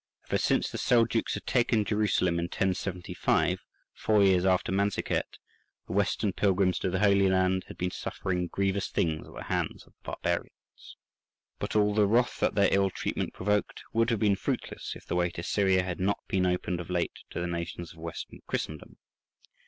Ever since the Seljouks had taken Jerusalem in 1075, four years after Manzikert, the western pilgrims to the Holy Land had been suffering grievous things at the hands of the barbarians. But all the wrath that their ill treatment provoked would have been fruitless, if the way to Syria had not been opened of late to the nations of Western Christendom.